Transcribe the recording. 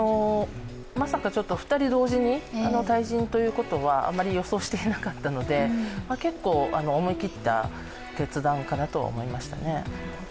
まさか、２人同時に退陣ということはあまり予想していなかったので結構思い切った決断かなと思いましたね。